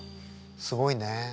すごいね。